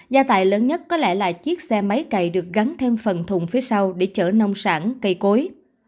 gia tài lớn nhất có lẽ là chiếc xe máy cày được gắn thêm phần thùng phía sau để chở nông sản cây cối